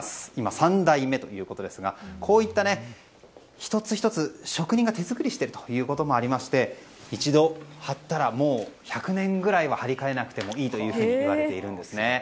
３代目ということですが１つ１つ職人が手作りしていることもありまして一度張ったら１００年くらいは張り替えなくてもいいといわれているんです。